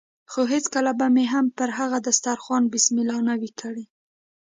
خو هېڅکله به مې هم پر هغه دسترخوان بسم الله نه وي کړې.